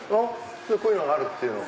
こういうのがあるっていうのを。